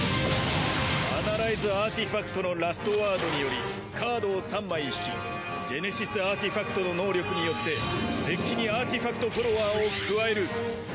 アナライズアーティファクトのラストワードによりカードを３枚引きジェネシスアーティファクトの能力によってデッキにアーティファクト・フォロワーを加える。